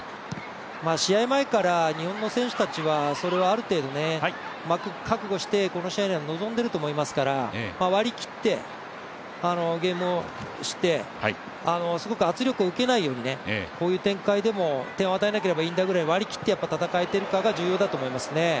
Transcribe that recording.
試合前から日本の選手たちはそれはある程度覚悟してこの試合には臨んでいると思いますから割り切ってゲームをして、すごく圧力を受けないようにこういう展開でも点を与えなければいいんだぐらい割り切って戦えてるかが重要だと思いますね。